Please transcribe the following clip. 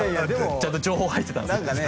ちゃんと情報入ってたんですね